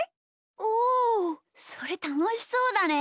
おおそれたのしそうだね！